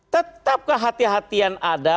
tetap kehatian hatian ada